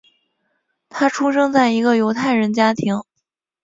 他出生在一个犹太人家庭。